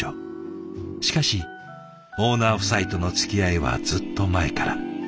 しかしオーナー夫妻とのつきあいはずっと前から。